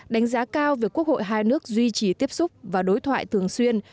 đánh giá cao việc quốc hội hai nước duy trì tiếp xúc và đối thoại thường xuyên